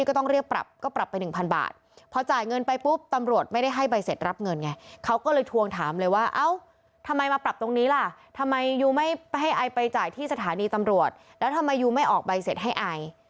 ก็ต้องเรียกปรับก็ปรับไปหนึ่งพันบาทพอจ่ายเงินไปปุ๊บตำรวจไม่ได้ให้ใบเสร็จรับเงินไงเขาก็เลยทวงถามเลยว่าเอ้าทำไมมาปรับตรงนี้ล่ะทำไมยูไม่ให้ไอไปจ่ายที่สถานีตำรวจแล้วทำไมยูไม่ออกใบเสร็จให้ไอ